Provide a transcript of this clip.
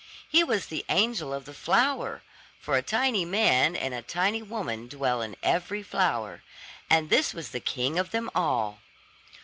He was the angel of the flower; for a tiny man and a tiny woman dwell in every flower; and this was the king of them all.